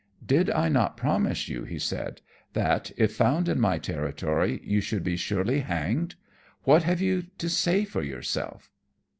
"Did I not promise you," he said, "that, if found in my territory, you should be surely hanged? What have you to say for yourself?"